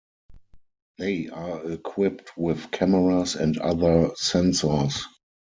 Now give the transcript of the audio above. They are equipped with cameras and other sensors.